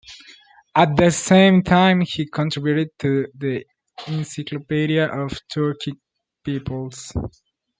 At the same time he contributed to the "Encyclopedia of Turkic Peoples".